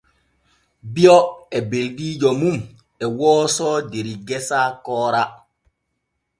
Bio e beldiijo mum e wooso der gesa koora.